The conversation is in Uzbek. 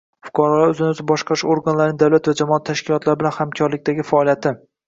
fuqarolar o‘zini o‘zi boshqarish organlarining davlat va jamoat tashkilotlari bilan hamkorlikdagi faoliyati